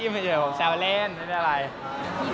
มีคนที่เราเคยคุยเป็นเพื่อนครับก็แคปที่เราเคยคุยกันมาก